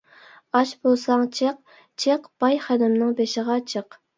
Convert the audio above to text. ئاچ بولساڭ چىق، چىق، باي خېنىمنىڭ بېشىغا چىق.